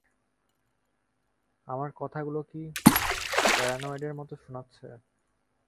আমার কথাগুলো কি প্যারানয়েডের মত শুনাচ্ছে?